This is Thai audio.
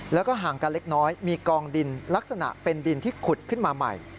แล้วก็ห่างกันเล็กน้อยมีกองดินลักษณะเป็นดินที่ขุดขึ้นมาใหม่